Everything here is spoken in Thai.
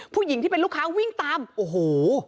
ผู้หญิงที่เป็นลูกค้าวิ่งตามโอ้โห